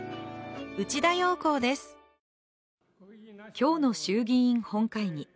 今日の衆議院本会議。